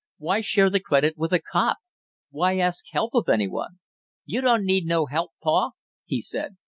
Why share the credit with a cop, why ask help of any one! "You don't need no help, pa!" he said.